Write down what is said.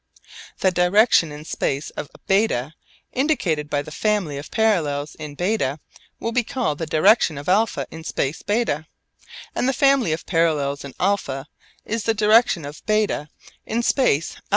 The direction in the space of β indicated by the family of parallels in β will be called the direction of α in space β, and the family of parallels in α is the direction of β in space α.